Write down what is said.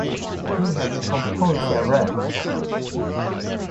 He has composed a lot.